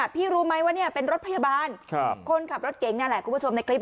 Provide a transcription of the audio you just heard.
พี่รู้มั้ยว่าเป็นรถพยาบาลคนขับรถเก่งคุณผู้ชมในคลิป